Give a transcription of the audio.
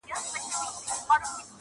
زه دي په دعا کي یادومه نور,